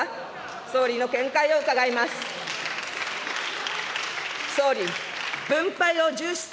総理の見解を伺います。